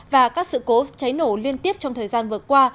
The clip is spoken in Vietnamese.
và các sự cố cháy nổ liên tiếp trong thời gian vừa qua